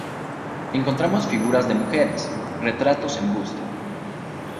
Encontramos figuras de mujeres, retratos en busto.